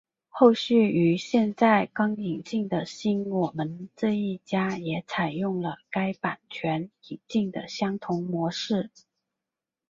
后续于现在刚引进的新我们这一家也采用了该版权引进的相同模式。